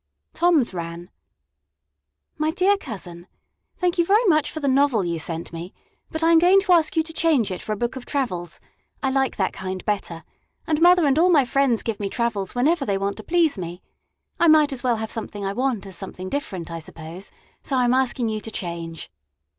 Tom's ran: My dear Cousin: Thank you very much for the novel you sent me, but I am going to ask you to change it for a book of travels. I like that kind better, and mother and all my friends give me travels whenever they want to please me. I might as well have something I want as something different, I suppose, so I am asking you to change.